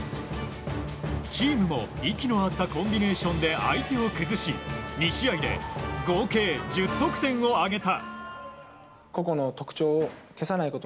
チームも息の合ったコンビネーションで相手を崩し２試合で合計１０得点を挙げた。